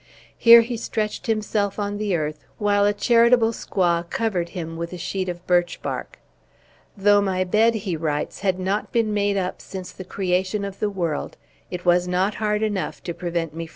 Here he stretched himself on the earth, while a charitable squaw covered him with a sheet of birch bark. "Though my bed," he writes, "had not been made up since the creation of the world, it was not hard enough to prevent me from sleeping."